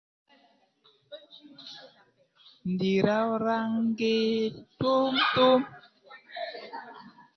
Bii na le de tabay nel nele nen baŋ were.